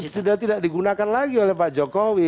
sudah tidak digunakan lagi oleh pak jokowi